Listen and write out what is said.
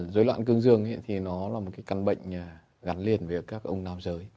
dối loạn cương dương thì nó là một cái căn bệnh gắn liền với các ông nam giới